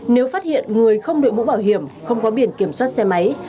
nếu phát hiện người không đội mũ bảo hiểm không có biển kiểm soát xe máy